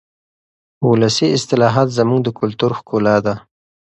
ولسي اصطلاحات زموږ د کلتور ښکلا ده.